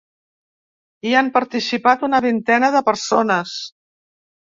Hi han participat una vintena de persones.